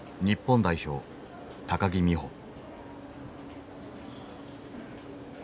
日本代表木美帆。